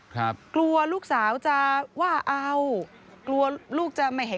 ครับกลัวลูกสาวจะหว่าเอากลัวลูกจะมายเป็นก่อบ้าน